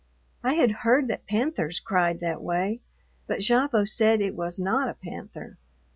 I had heard that panthers cried that way, but Gavotte said it was not a panther.